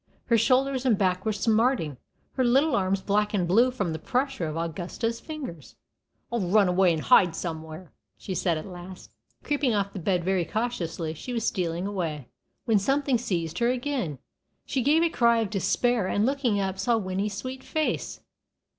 Her shoulders and back were smarting, her little arms black and blue from the pressure of Augusta's fingers. "I'll run away and hide somewhere," she said at last. Creeping off the bed very cautiously, she was stealing away, when something seized her again. She gave a cry of despair, and looking up, saw Winnie's sweet face.